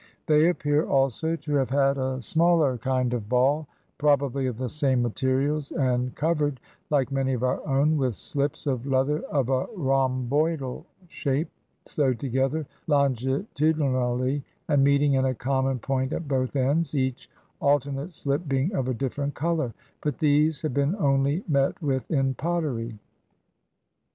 They appear also to have had a smaller kind of ball, probably of the same materials, and covered, like many of our own, with slips of leather of a rhomboidal shape, sewed together longitu dinally, and meeting in a common point at both ends, each alternate slip being of a different color; but these have been only met with in pottery.